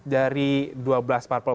dari dua belas partai peserta pemilu